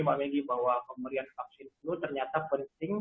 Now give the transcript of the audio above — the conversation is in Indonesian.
mbak meggy bahwa pemberian vaksin flu ternyata penting